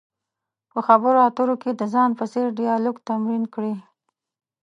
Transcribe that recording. په خبرو اترو کې د ځان په څېر ډیالوګ تمرین کړئ.